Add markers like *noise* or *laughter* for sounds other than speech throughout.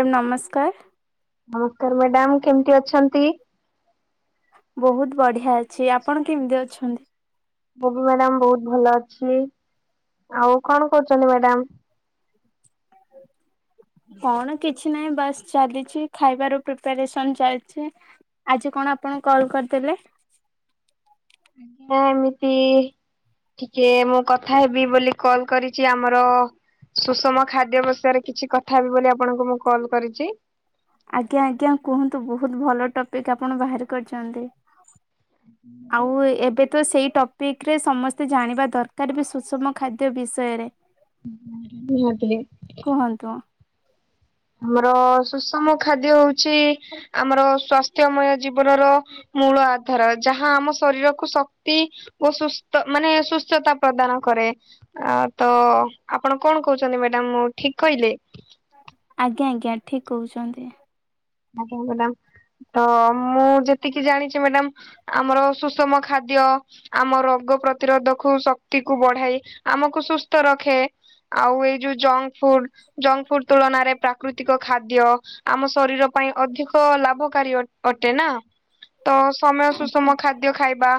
Ma'am ନମସ୍କାର। ନମସ୍କାର madam କେମିତି ଅଛନ୍ତି? ବହୁତ ବଢ଼ିଆ ଅଛି ଆପଣ କେମିତି ଅଛନ୍ତି? ମୁଁ ବି ମ୍ୟାଡ଼ାମ ବହୁତ ଭଲ ଅଛି। ଆଉ କଣ କରୁଛନ୍ତି ମ୍ୟାଡ଼ାମ? କଣ କିଛି ନାହିଁ ବାସ୍ ଚାଲିଛି ଖାଇବାର ପ୍ରିପାରେସନ୍ ଚାଲିଛି। ଆଜି କଣ ଆପଣଙ୍କ କଲ୍ କରିଥିଲେ? ନାଁ ଏମିତି ଟିକେ ମୁଁ କଥା ହେବି ବୋଲି କଲ୍ କରିଛି ଆମର ସୁଷମ ଖାଦ୍ୟ ବିଷୟରେ କିଛି କଥା ହେବି ବୋଲି ଆପଣଙ୍କୁ ମୁଁ କଲ କରିଛି। ଆଜ୍ଞା ଆଜ୍ଞା କୁହନ୍ତୁ ବହୁତ଼ ଭଲ ଟପିକ୍ ଆପଣ ବାହାର କରିଛନ୍ତି। ଆଉ ଏବେ ତ ସେଇ ଟପ୍ ପିକ୍ରେ ସମସ୍ତେ ଜାଣିବା ଦରକାର ବି ସୁଷମ ଖାଦ୍ୟ ବିଷୟରେ। ନିହାତି। କୁହନ୍ତୁ? ଆମର ସୁଷମ ଖାଦ୍ୟ ହଉଛି ଆମର ସ୍ଵସ୍ଥ୍ୟମୟ ଜୀବନର ମୂଳ ଆଧାର ଯାହା ଆମ ଶରୀରକୁ ଶକ୍ତି ଓ ସୁସ୍ଥ ମାନେ ସୁସ୍ଥତା ପ୍ରଦାନ କରେ। ଆ ତ ଆପଣ କଣ କହୁଛନ୍ତି ମ୍ୟାଡ଼ାମ୍ ମୁଁ ଠିକ କହିଲି? ଆଜ୍ଞା ଆଜ୍ଞା ଠିକ୍ କହୁଛନ୍ତି। ଆଜ୍ଞା ମାଡ଼ାମ୍ ତ ମୁଁ ଯେତିକି ଜାଣିଛି ମ୍ୟାଡ଼ାମ୍ ଆମର ସୁଷମ ଖାଦ୍ୟ ଆମ ରୋଗ ପ୍ରତିରୋଧକୁ ଶକ୍ତି କୁ ବଢାଇ ଆମକୁ ସୁସ୍ଥ ରଖେ। ଆଉ ଏଇ ଯଉ ଜଙ୍କ୍ ଫୁଡ୍ ଜଙ୍କ୍ ଫୁଡ ତୁଳନାରେ ପ୍ରାକୃତିକ ଖାଦ୍ୟ ଆମ ଶରୀର ପାଇଁ ଅଧିକ ଲାଭକାରୀ ଅ ଅଟେ ନା ତ ସମୟ ଆଜ୍ଞା। ସୁଷମ ଖା ଖାଦ୍ୟ ଖାଇବା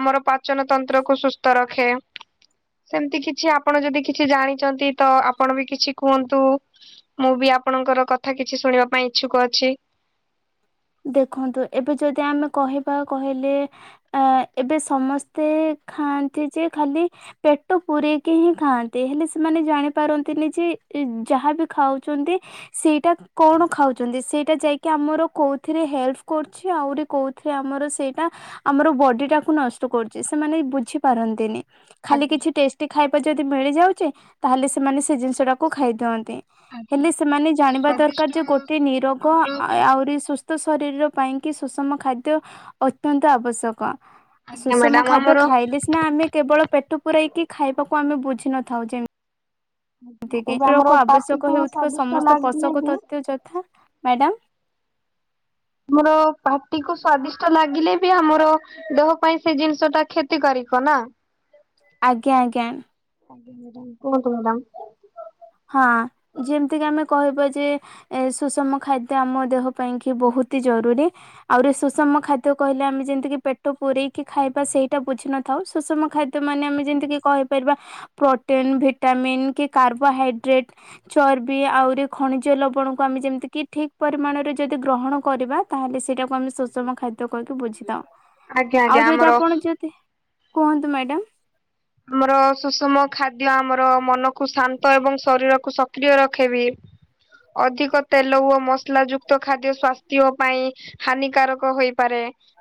ଆମର ପାଚନ ତନ୍ତ୍ରକୁ ସୁସ୍ଥ ରଖେ। ସେମତି କିଛି ଆପଣ ଯଦି କିଛି ଜାଣିଛନ୍ତି ତ ଆପଣ ବି କିଛି କୁହନ୍ତୁ? ମୁଁ ବି ଆପଣଙ୍କର କଥା କିଛି ଶୁଣିବା ପାଇଁ ଇଚ୍ଛୁକ ଅଛି। ଦେଖନ୍ତୁ ଏବେ ଯଦି ଆମେ କହିବା କହିଲେ ଆ ଏବେ ସମସ୍ତେ ଖାଆନ୍ତି ଯେ ଖାଲି ପେଟ ପୂରେଇକି ହିଁ ଖାଆନ୍ତି ହେଲେ ସେମାନେ ଜାଣିପାରନ୍ତିନି ଯେ ଯାହା ବି ଖାଉଛନ୍ତି ସେଇଟା କଣ ଖାଉଛନ୍ତି ସେଇଟା ଯାଇକି ଆମର କୋଉ ଥିରେ ହେଲ୍ପ୍ କରୁଛି ଆହୁରି କେଉଁଥିରେ ଆମର ସେଇଟା ଆମର ବଡି ଟାକୁ ନଷ୍ଟ କରୁଛି ସେମାନେ ବୁଝି ପାରନ୍ତିନି। ଖାଲି ଆଜ୍ଞା କିଛି ଟେଷ୍ଟି ଖାଇବା ଯଦି ମିଳିଯାଉଛି ତାହେଲେ ସେମାନେ ସେ ଜିନିଷଟାକୁ ଖାଇଦିଅନ୍ତି। ଆଜ୍ଞା ହେଲେ ସେମାନେ ଜାଣିବା ଦରକାର ଯେ ସ୍ଵାଦିଷ୍ଟ ଗୋଟେ ନିରୋଗ ଆମର ଆ ଆହୁରି ସୁସ୍ଥ ତ ଶରୀର ପାଇଁ କି ସୁଷମ ଖାଦ୍ୟ ଅତ୍ୟନ୍ତ ଆବଶ୍ୟକ। ଆଜ୍ଞା ସୁଷମ ମ୍ୟାଡାମ ଖାଦ୍ୟ ଆମର ଖାଇଲେ ସିନା ଆମେ କେବଳ ପେଟ ପୂୁରାଇକି ଖାଇବାକୁ ଆମେ ବୁଝିିନଥାଉ ଯେମ୍ ଏବେ ଆମର *inaudible* ପାଟିକୁ ଆବଶ୍ୟକ ହେଉଥିବା ସ୍ଵାଦିଷ୍ଟ ସମସ୍ତ ଲାଗିଲେ ପୋଷକ ବି ତତ୍ୱ ଯଥା ମ୍ୟାଡ଼ାମ୍? ଆମର ପାଟି କୁ ସ୍ଵାଦିଷ୍ଟ ଲାଗିଲେ ବି ଆମର ଦେହ ପାଇଁ ସେ ଜିନିଷ ଟା କ୍ଷତି କାରିକ ନା। ଆଜ୍ଞା ଆଜ୍ଞା। କୁହନ୍ତୁ ମ୍ୟାଡ଼ାମ୍? ହଁ ଯେମିତି କି ଆମେ କହିବା ଯେ ଏ ସୁଷମ ଖାଦ୍ୟ ଆମ ଦେହ ପାଇଁ କି ବହୁତି ଜରୁରୀ। ଆହୁରି ସୁଷମ ଖାଦ୍ୟ କହିଲେ ଆମେ ଯେମତିକି ପେଟ ପୂରେଇକି ଖାଇବା ସେଇଟା ବୁଝିିନ ଥାଉ ସୁଷମ ଖାଦ୍ୟ ମାନେ ଆମେ ଯେମିତିକି କହି ପାରିବା ପ୍ରୋଟିନ୍, ଭିଟାମିନ୍ କି କାର୍ବ ବା ହାଇଡ୍ରେଟ୍ ଚର୍ବି ଆହୁରି ଖଣିଜ ଲବଣକୁ ଆମେ ଯେମିତି କିି ଠିକ୍ ପରିମାଣରେ ଯଦି ଗ୍ରହଣ କରିବା। ତାହେଲେ ସେଇଟାକୁ ଆମେ ସୁଷମ ଖାଦ୍ୟ କହିକି ବୁଝି ଥାଉ ଆଜ୍ଞା ଆଉ ଆଜ୍ଞା ଯଦି ଆମର ଆପଣ ଯଦି କୁହନ୍ତୁ ମ୍ୟାଡ଼ାାମ? ଆମର ସୁଷମ ଖାଦ୍ୟ ଆମର ମନକୁ ଶାନ୍ତ ଏବଂ ଶରୀରକୁ ସକ୍ରିୟ ରଖେବି। ଅଧିକ ତେଲ ଓ ମସଲା ଯୋଗୁ ତ ଖାଦ୍ୟ ସ୍ୱାସ୍ଥ୍ୟ ପାଇଁ ହାନିକାରକ ହୋଇପାରେ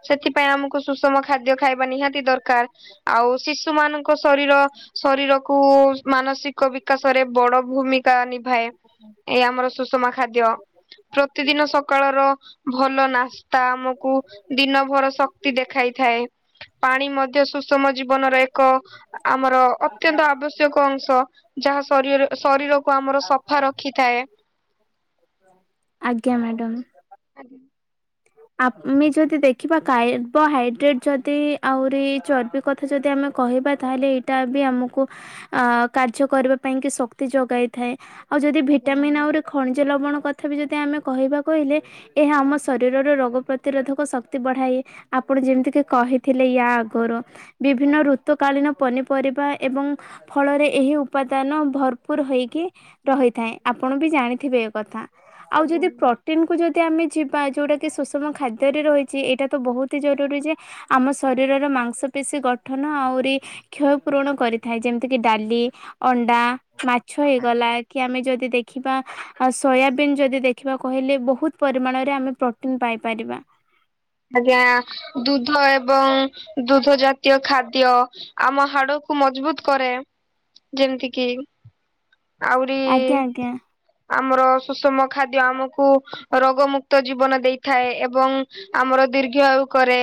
ସେଥିପାଇଁ ଆମକୁ ସୁଷମ ଖାଦ୍ୟ ଖାଇବା ନିହାତି ଦରକାର ଆଉ ଶିଶୁ ମାନଙ୍କ ଶରୀର ଶରୀରକୁ ମାନସିକ ବିକାଶରେ ବଡ ଭୂମିକା ନିଭାଏ। ଏଇ ଆମର ସୁଷମା ଖାଦ୍ୟ ପ୍ରତିଦିନ ସକାଳର ଭଲ ନାସ ତା ଆମକୁ ଦିନ ଭର ଶକ୍ତି ଦେଖାଇଥାଏ ପାଣି ମଧ୍ୟ ସୁଷମ ଜୀବ ଜିବନରେ ଏକ ଆମର ଅତ୍ୟନ୍ତ ଆବଶ୍ୟକ ଅଂଶ। ଯାହା ଶରୀର ଶରୀରକୁ ଆମର ସଫା ରଖିଥାଏ। ଆଜ୍ଞା ମ୍ୟାଡାମ୍। ଆଜ୍ଞା। ଆମେ ଯଦି ଦେଖିବା କାର୍ବୋହାଇଡ୍ରେଟ ଯଦି ଆହୁରି ଚର୍ବିକୁ କଥା ଯଦି ଆମେ କହିବା ତା ହେଲେ ଏଇଟା ବି ଆମକୁ ଅ କାର୍ଯ୍ୟ କରିବା ପାଇଁ କି ଶକ୍ତି ଯୋଗାଇ ଥାଏ। ଆଉ ଯଦି ଆଜ୍ଞା ଭିଟାମିନ୍ ମ୍ୟାଡ଼ାମ ଆହୁରେ ଖଣିଜ ଲବଣ କଥା ବି ଯଦି ଆମେ କହିବା କହିଲେ ଏହା ଆମସ ଆଜ୍ଞା ଶରୀରରେ ରୋଗ ପ୍ରତିରୋଧକ ଶକ୍ତି ବଢାଇ ଆପଣ ଯେମିତି କି କହିଥିଲେ ୟା ଆଗରୁ ବିଭିନ୍ନ ଆଜ୍ଞା ଋତୁ କାଳୀନ ପନିପରିବା ଏବଂ ଫଳରେ ଏହି ଉପାଦାନ ଭରପୁର ହେଇକି ରହିଥାଏ ଆପଣ ବି ଜାଣିଥିବେ ଏକ କଥା। ଆଉ ଆଜ୍ଞା ଯଦି ମ୍ୟାଡ଼ାମ ପ୍ରୋଟିନ କୁ ଯଦି ଆମେ ଜି ବା ଯଉଁଟାକି ସୁଷମ ଖାଦ୍ୟରେ ରହିଚି ଏଇଟା ତ ବହୁତ ହି ଜରୁରୀ ଯେ ଆମ ଶରୀରର ମାଂସ ପେଶୀ ଗଠନ ଆଉରି କ୍ଷୟ ପୂରଣ କରିଥାଏ ଯେମିତି କିି ଡାଲି ଅଣ୍ଡା ମାଛ ହେଇଗଲା। ଆଜ୍ଞା। କି ଆମେ ଯଦି ଦେଖିବା ଆ ସୋୟାବିନ୍ ଯଦି ଦେଖିବା କହିଲେ ବହୁତ ପରିମାଣରେ ରେ ଆମେ ପ୍ରୋଟିନ୍ ପାଇପାରିବା। ଆଜ୍ଞା ଦୁଧ ଏବଂ ଦୁଧ ଜାତୀୟ ଖାଦ୍ୟ ଆମ ହାଡକୁ ମଜବୁତ କରେ ଯେମତି କିି ଆଉରିି ଆଜ୍ଞା ଆଜ୍ଞା ଆମର ସୁଷମ ଖାଦ୍ୟ ଆମୁକୁ ରୋଗ ମୁକ୍ତ ଜୀବନ ଦେଇଥାଏ ଏବଂ ଆମର ଦୀର୍ଘ ଆୟୁ କରେ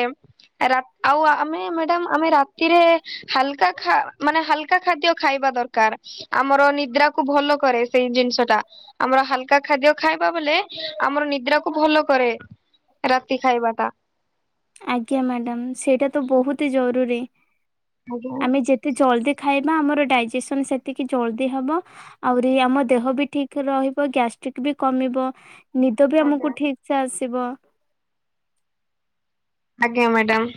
ରା ଆଉ ଆମେ ମ୍ୟାଡାମ ଆମେ ରାତିରେ ହାଲକା ଖା ମାନେ ହାଲକା ଖାଦ୍ୟ ଖାଇବା ଦରକାର। ଆମର ନିଦ୍ରାକୁ ଭଲ କରେ ସେଇ ଜିନିଷ ଟା। ଆମର ହାଲକା ଖାଦ୍ୟ ଖାଇବା ବୋଲେ ଆମର ନିଦ୍ରାକୁୁ ଭଲ କରେ। ରାତି ଖାଇବା ଟା। ଆଜ୍ଞା ମ୍ୟାଡ଼ାମ ସେଇଟା ତ ବହୁତ ଜରୁରୀ। ଆଜ୍ଞା। ଆମେ ଯେତେ ଜଲ୍ଦି ଖାଇବା ଆମର ଡାଇଜେସନ୍ ସେତିକି ଜଲ୍ଦି ହବ। ଆହୁରି ଆମ ଦେହ ବି ଠିକ ରହିବ ଗ୍ୟାଷ୍ଟ୍ରିକ ବି କମିବ। ନିଦ ବି ଆମକୁ ଠିକସେ ଆସିବ। ଆଜ୍ଞା ମ୍ୟାଡ଼ାମ୍।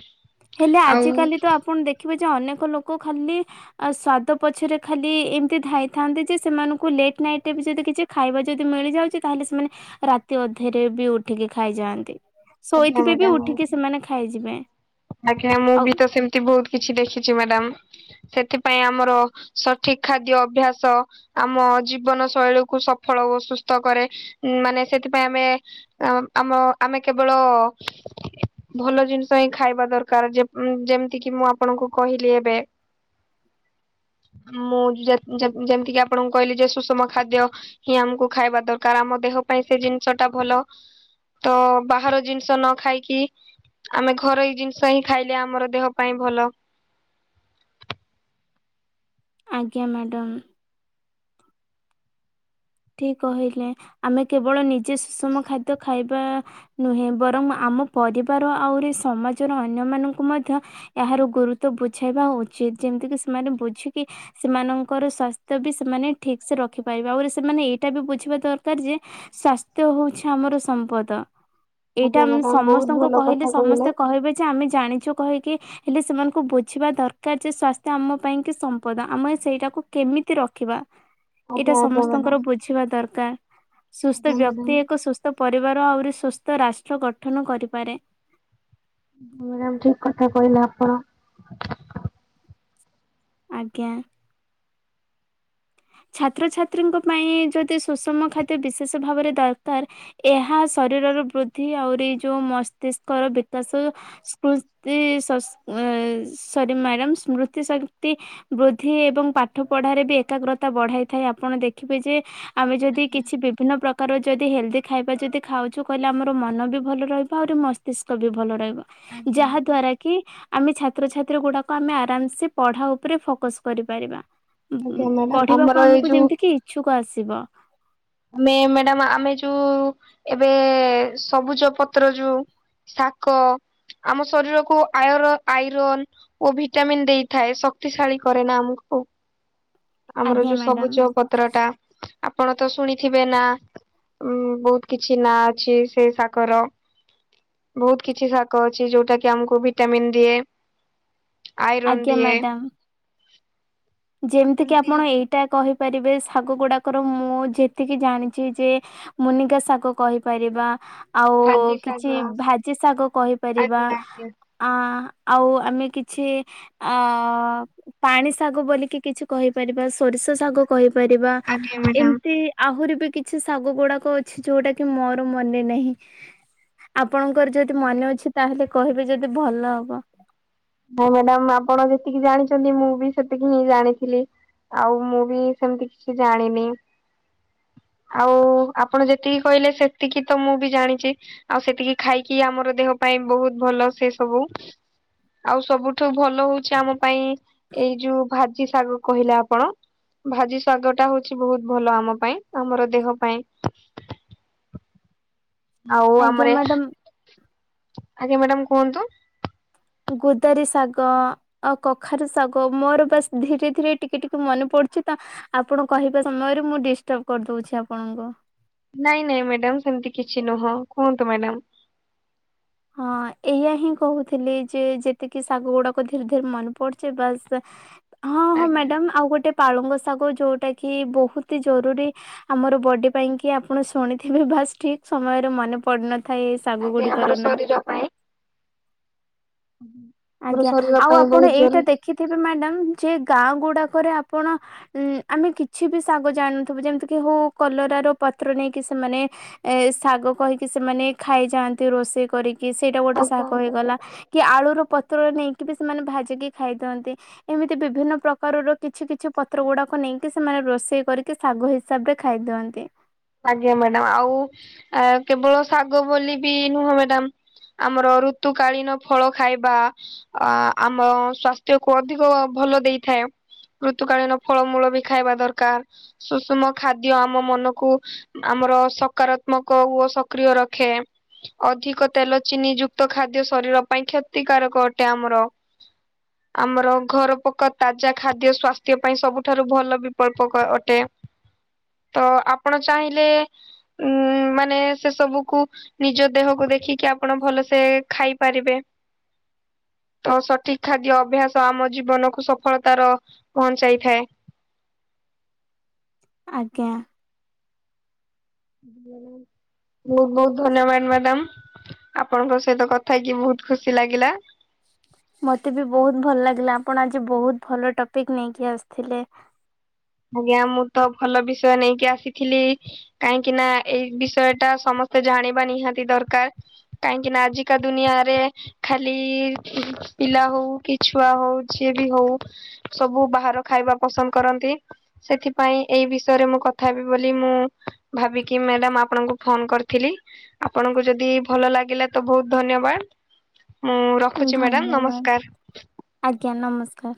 ହେଲେ ଆଜିକାଲି ତ ଆପଣ ଦେଖିବେ ଯେ ଅନେକ ଲୋକ ଖାଲି ଅ ସ୍ଵାଦ ପଛରେ ଖାଲି ଏମିତି ଧାଇଥାନ୍ତି ଯେ ସେମାନଙ୍କୁ ଲେଟ୍ ନାଇଟ ରେ ବି ଯଦି କିଛି ଖାଇବା ଯଦି ମିଳି ଯାଉଚି ତାହେଲେ ସେମାନେ ରାତି ଅଧେରେ ବି ଉଠିକି ଖାଇଯାଆନ୍ତି। ଆଜ୍ଞା ଶୋଇଥିବେ କି ମ୍ୟାଡାମ ଉଠିକି ସେମାନେ ଖାଇଯିବେ। ଆଜ୍ଞା, ମୁଁ ଆଉ ବି ତ ସେମିତି ବହୁତ କିଛି ଦେଖିଛି ମ୍ୟାଡାମ୍। ସେଥିପାଇଁ ଆମର ସଠିକ ଖାଦ୍ୟ ଅଭ୍ୟାସ ଆମ ଜୀବନ ଶୈଳୀକୁୁ ସଫଳ ଓ ସୁସ୍ଥ କରେ ମାନେ ସେଥିପାଇଁ ଆମେ ଆ ଆମ ଆମେ କେବଳ ଭଲ ଜିନିଷ ହିଁ ଖାଇବା ଦରକାର ଯେ ଯେମିତି କି ମୁଁ ଆପଣଙ୍କୁ କହିଲି ଏବେ। *inaudible* ମୁଁ ଯେ ଯେମିତି କିି ଆପଣଙ୍କୁ କହିଲି ଯେ ସୁଷମ ଖାଦ୍ୟ। ହିଁ ଆମକୁ ଖାଇବା ଦରକାର ଆମ ଦେହ ପାଇଁ ସେ ଜିନିଷ ଟା ଭଲ ତ ବା ବାହାର ଜିନିଷ ନ ଖାଇକି ଆମେ ଘରୋଇ ଜିନିଷ ହିଁ ଖାଇଲେ ଆମର ଦେହ ପାଇଁ ଭଲ। ଆଜ୍ଞା ମ୍ୟାଡାମ୍। ଠିକ କହିଲେ ଆମେ କେବଳ ନିଜେ ସୁଷମ ଖାଦ୍ୟ ଖାଇବା ନୁହେଁ ବରଂ ଆମ ପରିବାର ଆହୁରି ସମାଜର ଅନ୍ୟ ମାନଙ୍କୁ ମଧ୍ୟ ଏହାର ଗୁରୁତ୍ବ ବୁଝେଇବା ଉଚିତ। ଯେମତି କି ସେମାନେ ବୁଝିକି ସେମାନଙ୍କର ସ୍ୱାସ୍ଥ୍ୟ ବି ସେମାନେ ଠିକ ସେ ରଖିପାରିବେ। ଆଉରି ସି ସେମାନେ ଏଇଟା ବି ବୁଝିବା ଦରକାର ଯେ ସ୍ୱାସ୍ଥ୍ୟ ହଉଛି ଆମର ସମ୍ପଦ। ଏଇଟା ଆଜ୍ଞା ମ୍ୟାଡାମ ବହୁତ ସମସ୍ତଙ୍କୁ ଭଲ କହିଲେ କଥା ସମସ୍ତେ କହିବେ ଯେ ଆମେ ଜାଣିଚୁ କହିକି। ହେଲେ ସେମାନଙ୍କୁ ବୁଝିବା ଦରକାର ଯେ ସ୍ଵାସ୍ଥ୍ୟ ଆମ ପାଇଁ କି ସମ୍ପଦ। ଆମେ ସେଇଟାକୁ କେମିତି ରଖିବା। ଏଇଟା ଆଜ୍ଞା ଆଜ୍ଞା ସମସ୍ତ ମ୍ୟାଡାମ। ବୁଝିବା ଦରକାର। ସୁସ୍ଥ ଆଜ୍ଞା ମ୍ୟାଡାମ ବ୍ୟକ୍ତି ଏକ ସୁସ୍ଥ ସୁସ୍ଥ ପରିବାର ଆହୁରି ସୁସ୍ଥ ରାଷ୍ଟ୍ର ଗଠନ କରିପାରେ। ମାଡ଼ାମ ଠିକ କଥା କହିଲେ ଆପଣ। ଆଜ୍ଞା। ଛାତ୍ରଛାତ୍ରୀଙ୍କ ପାଇଁ ଯଦି ସୁଷମ ଖାଦ୍ୟ ବିଶେଷ ଭାବରେ ଦରକାର। ଏହା ଶରୀରର ବୃଦ୍ଧି ଆହୁରି ଯୋଉ ମସ୍ତିଷ୍କର ବିକାଶ ସ୍ମୃତି ଶସ୍ତି ସରି ମ୍ୟାଡ଼ାମ ସ୍ମୃତି ଶକ୍ତି ବୃଦ୍ଧି ଏବଂ ପାଠ ପଢାରେ ବି ଏକାଗ୍ରତ ତା ବଢାଇଥାଏଆପଣ ଦେଖିବେ ଯେ ଆମେ ଯଦି ଆଜ୍ଞା କିଛି ବିଭିନ୍ନ ପ୍ର କାର ଯଦି ହେଲ୍ଦି ଖାଇବା ଯଦି ଖାଉଚୁ କହିଲେ ଆମର ମନ ବି ଭଲ ରହିବ। ଆହୁରି ମସ୍ତିଷ୍କ ବି ଭଲ ରହିବ। ଆଜ୍ଞା ଯାହା ଆଜ୍ଞା। ଦ୍ଵାରା କି ଆମେ ଛାତ୍ରଛାତ୍ରୀ ଗୁଡାକ ଆମେ ଆରାମ ସେ ପଢା ଉପରେ ଫୋକସ କରିପାରିବା। ଆଜ୍ଞା ମାଡାମ। ପଡ଼ିବାକୁ ଆମକୁ ଯେମିତିକି ଇଚ୍ଛୁକ ଆସିବ। ଆମେ ମ୍ୟାଡାମ ଆମେ ଯୋଉ ଏବେ ସବୁଜ ପତ୍ର ଯୋଉ ଶାଗ ଆମ ଶରୀରକୁ ଆୟର ଆଇରନ୍ ଓ ଭିଟାମିନ ଦେଇଥାଏ ଶକ୍ତିଶାଳୀ କରେ ନା ଆମକୁ। ଆମର ଆଜ୍ଞା ଯୋଉ ମ୍ୟାଡାମ ସବୁଜ ପତ୍ର ଟା ଆପଣ ତ ଶୁଣି ଥିବେ ନା ଉଁ ବହୁତ କିଛି ନା ଅଛି ସେଇ ଶାଗର। ବହୁତ କିଛି ଶାଗ ଅଛି ଯୋଉଟା କି ଆମକୁ ଭିଟାମିିନ ଦିଏ। ଆଇରନ ଆଜ୍ଞା ଦିଏ। ଯେମିତିକି ଏମତି ଆପଣ ଏଇଟା କହିପାରିବେ ଶାଗ ଗୁଡାକର ମୁଁ ଯେତିକି ଜାଣିଚି ଯେ ମୁନିକା ସାଗ କହିପାରିବା। ଆଉ ଭାଜି ଶାଗ କିଛି ଭାଜି ଶାଗ କହିପାରିବା। ଆଜ୍ଞା ଆଜ୍ଞା ଆଁ ଆଉ ଆମେ କିଛି ଆ ପାଣି ଶାଗ ବୋଲି କି କିଛି କହିପାରିବା ସୋରିଷ ଶାଗ କହିପାରିବା। ଆଜ୍ଞା ମ୍ୟାଡାମ। ଏମିତି ଆହୁରି ବି କିଛି ଶାଗ ଗୁଡାକ ଅଛି ଯୋଉଟା କି ମୋର ମନେ ନାହିଁ। ଆପଣଙ୍କର ଯଦି ମନେ ଅଛି ତାହେଲେ କହିବେ ଯଦି ଭଲ ହବ। ହଁ ମ୍ୟାଡାମ ଆପଣ ଯେତିକି ଜାଣିଚନ୍ତି ମୁଁ ବି ସେତିକି ହିଁ ଜାଣିଥିଲି। ଆଉ ମୁଁ ବି ସେମତି କିଛି ଜାଣିନି। ଆଉ ଆପଣ ଯେତିକି କହିଲେ ସେତିକି ତ ମୁଁ ବି ଜାଣିଚି। ଆଉ ସେତିକି ଖାଇକି ଆମର ଦେହ ପାଇଁ ବହୁତ ଭଲ ସେ ସବୁ। ଆଉ ସବୁଠୁ ଭଲ ହଉଚି ଆମ ପାଇଁ ଏଇ ଯୋଉ ଭା ଚି ଶାଗ କହିଲେ ଆପଣ। ଭାଜି ଶାଗ ଟା ହଉଚି ବହୁତ ଭଲ ଆମ ପାଇଁ। ଆମର ଦେହ ପାଇଁ। ଆଉ ଆଜ୍ଞା ଆମର ଏ ମ୍ୟାଡାମ ଆଜ୍ଞା ମ୍ୟାଡାମ କୁହନ୍ତୁ। ଗୁଦାରି ଶାଗ ଆଉ କଖାରୁ ଶାଗ ମୋର ବାସ ଧୀରେ-ଧୀରେ ଟିକେ-ଟିକେ ମନେ ପଡୁଚି ତ। ଆପଣ କହିବା ସମୟରେ ମୁଁ ଦିଷ୍ଟର୍ବ କରିଦଉଛି ଆପଣଙ୍କୁ। ନାଇଁ-ନାଇଁ ମ୍ୟାଡାମ ସେମିତି କିଛି ନୁହଁ କୁହନ୍ତୁ ମ୍ୟାଡାମ। ହଁ ଏଇଆ ହିଁ କହୁଥିଲି ଯେ ଯେତିକି ଶାଗ ଗୁଡାକ ଧୀରେ-ଧୀରେ ମନେ ପଡୁଚି। ବାସ୍ ହଁ ହଁ ଆଜ୍ଞା ମ୍ୟାଡାମ ଆଉ ଗୋଟେ ପାଳଙ୍ଗ ଶାଗ ଯୋଉଟା କି ବହୁତି ଜରୁରୀ ଆମର ବଡି ପାଇଁ କି ଆପଣ ଶୁଣିଥିବେ ବାସ୍ ଠିକ ସମୟରେ ମନେ ପଡୁ ନଥାଏ ଏ ଶାଗ ଆଜ୍ଞା ଆମର ଗୁଡିକର ନା। ଶରୀର ହୁଁ। ଆଜ୍ଞା ଆଉ ଆପଣ ଏଇଟା ଦେଖିଥିବେ ମ୍ୟାଡ଼ାମ ଯେ ଗାଁ ଗୁଡାକରେ ଆପଣ ଉଁ ଆମେ କିଛି ବି ଶାଗ ଜାଣିନଥିବୁ। ଯେମିତିକି ହଉ କଲରା ର ପତ୍ର ନେଇକି ସେମାନେ ଏ ଶାଗ କହିକି ସେମାନେ ଖାଇଯାଆନ୍ତି ରୋଷେଇ କରି କି ସେଇଟା ଗୋଟେ ଆଜ୍ଞା। ଶାଗ ହେଇଗଲା କି ଆଳୁର ର ପତ୍ର ନେଇକି ବି ସେମାନେ ଭାଜିକି ଖାଇଦିଅନ୍ତି। ଏମିତି ବିଭିନ୍ନ ପ୍ରକାରର କିଛି କିଛି ପତ୍ର ଗୁଡାକୁ ନେଇକି ସେମାନେ ରୋଷେଇ କରିକି ଶାଗ ହିସାବରେ ଖାଇ ଦିଅନ୍ତି। ଆଜ୍ଞା ମ୍ୟାଡାମ। ଆଉ କେବଳ ଶାଗ ବୋଲି ବି ନୁହଁ ମ୍ୟାଡ଼ାମ ଆମର ଋତୁକାଳୀନ ଫଳ ଖାଇବା ଅ ଆମ ସ୍ୱାସ୍ତ୍ୟ କୁ ଅଧିକ ଭଲ ଦେଇଥାଏ। ଋତୁକାଳୀନ ଫଳମୂଳ ବି ଖାଇବା ଦରକାର ସୁଷୁମ ଖାଦ୍ୟ ଆମ ମନକୁ। ଆମର ସକାରାତ୍ମକ ଓ ସକ୍ରିୟ ରଖେ। ଅଧିକ ତେଲ ଚିନି ଯୁକ୍ତ ଖାଦ୍ୟ ଶରୀର ପାଇଁ କ୍ଷତିକାରକ ଅଟେ ଆମର। ହ। ଆମର ଘର ପକା ତାଜା ଖାଦ୍ୟ ସ୍ୱାସ୍ଥ୍ୟ ପାଇଁ ସବୁଠାରୁ ଭଲ ବିପଳ୍ପକ ଅଟେ। ତ ଆପଣ ଚାହିଁଲେ ଉ ମାନେ ସେ ସବୁକୁ ନିଜ ଦେହକୁ ଦେଖିକି ଆପଣ ଭଲସେ ଖାଇପାରିବେ। ତ ସଠିକ ଖାଦ୍ୟ ଅଭ୍ୟାସ ଆମ ଜୀବନକୁ ସଫଳତାର ପହଞ୍ଚାଇଥାଏ। ଆଜ୍ଞା। ବହୁତ ବହୁତ ଧନ୍ୟବାଦ ମ୍ୟାଡାମ ଆପଣଙ୍କ ସହିତ କଥା ହେଇକି ବହୁତ ଖୁସି ଲାଗିଲା। ମତେ ବି ବହୁତ ଭଲ ଲାଗିଲା ଆପଣ ଆଜି ବହୁତ ଭଲ ଟପିକ ନେଇକି ଆସିଥିଲେ। ଆଜ୍ଞା ମୁଁ ତ ଭଲ ବିଷୟ ନେଇକି ଆସିଥିଲି। କାହିଁକି ନା ଏଇ ବିଷୟ ଟା ସମସ୍ତେ ଜାଣିବା ନିହାତି ଦରକାର। କାହିଁକି ନା ଆଜିକା ଦୁନିଆରେ। ଖାଲି ପିଲା ହଉ କି ଛୁଆ ହଉ ଯିଏ ବି ହଉ। ସବୁ ବାହାର ଖାଇବା ପସନ୍ଦ କରନ୍ତି। ସେଥିପାଇଁ ଏଇ ବିଷୟରେ ମୁଁ କଥା ହେବି ବୋଲି ମୁଁ ଭାବିକି ମ୍ୟାଡାମ ଆପଣଙ୍କୁ ଫୋନ କରିଥିଲି। ଆପଣଙକୁ ଯଦି ଭଲ ଲାଗିଲା ତ ବହୁତ ଧନ୍ୟବାଦ। ମୁଁ ରଖୁଛି ମ୍ୟାଡାମ ଧନ୍ୟବାଦ ନମସ୍କାର। ଆଜ୍ଞା ନମସ୍କାର।